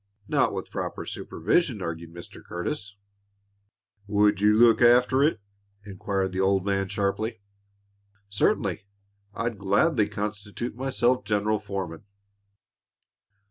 "Not with proper supervision," argued Mr. Curtis. "Would you look after it?" inquired the old man, sharply. "Certainly! I'd gladly constitute myself general foreman."